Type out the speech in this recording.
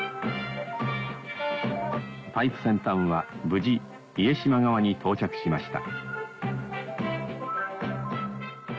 パイプ先端は無事家島側に到着しました。